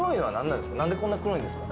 なんでこんな黒いんですか？